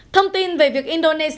thông tin về việc indonesia